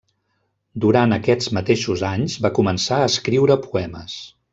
Durant aquests mateixos anys va començar a escriure poemes.